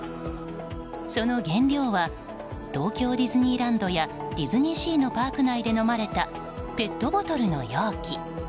その原料は東京ディズニーランドやディズニーシーのパーク内で飲まれたペットボトルの容器。